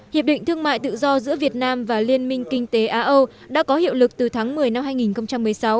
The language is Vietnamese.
hiệp định thương mại tự do giữa việt nam và liên minh kinh tế á âu đã có hiệu lực từ tháng một mươi năm hai nghìn một mươi sáu